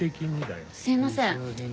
すいません。